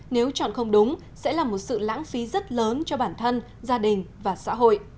nếu chọn không đúng sẽ là một sự lãng phí rất lớn cho bản thân gia đình và xã hội